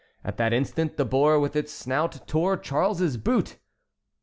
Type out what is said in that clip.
At that instant the boar, with its snout, tore Charles's boot.